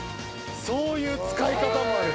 そういう使い方もある！